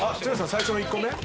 最初の１個目？